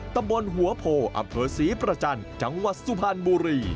ตำบลหัวโพอำเภอศรีประจันทร์จังหวัดสุพรรณบุรี